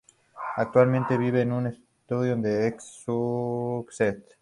Actualmente vive en Eastbourne, East Sussex.